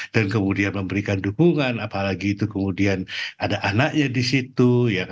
dan kemudian memberikan dukungan apalagi itu kemudian ada anaknya di situ